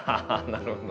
なるほど。